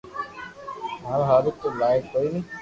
ماري ھارون تو لائق ڪوئي ني